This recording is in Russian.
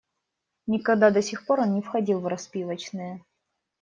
Никогда до сих пор не входил он в распивочные.